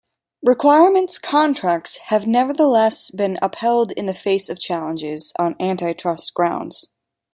Requirements contracts have nevertheless been upheld in the face of challenges on antitrust grounds.